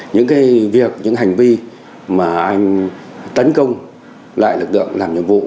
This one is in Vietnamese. những việc những hành vi mà anh tấn công lại lực lượng làm nhiệm vụ